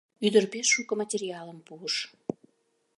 Ӱдыр пеш шуко материалым пуыш.